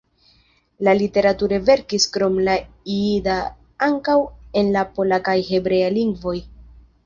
Li literature verkis krom la jida ankaŭ en la pola kaj hebrea lingvoj.